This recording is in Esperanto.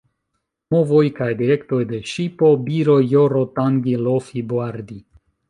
Movoj kaj direktoj de ŝipo: biro, joro, tangi, lofi, boardi.